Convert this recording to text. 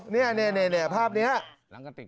นี่นี่นี่พากษ์นี้ไหมครับ